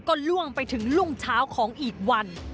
ก็ล่วงไปถึงรุ่งเช้าของอีกวัน